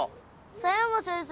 佐山先生